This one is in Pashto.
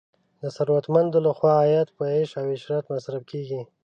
د ثروتمندو لخوا عاید په عیش او عشرت مصرف کیږي.